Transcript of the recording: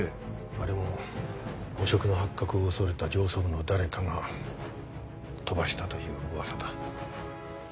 あれも汚職の発覚を恐れた上層部の誰かが飛ばしたという噂だ。